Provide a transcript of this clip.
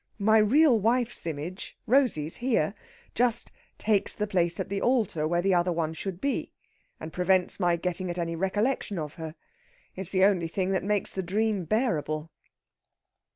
My real wife's image Rosey's, here just takes the place at the altar where the other one should be, and prevents my getting at any recollection of her. It is the only thing that makes the dream bearable."